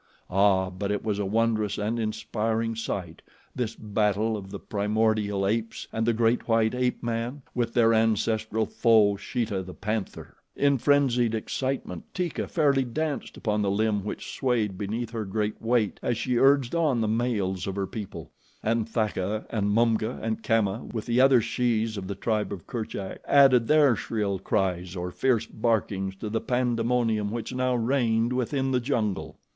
Ah! but it was a wondrous and inspiring sight this battle of the primordial apes and the great, white ape man with their ancestral foe, Sheeta, the panther. In frenzied excitement, Teeka fairly danced upon the limb which swayed beneath her great weight as she urged on the males of her people, and Thaka, and Mumga, and Kamma, with the other shes of the tribe of Kerchak, added their shrill cries or fierce barkings to the pandemonium which now reigned within the jungle.